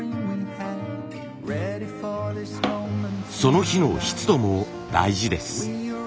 その日の湿度も大事です。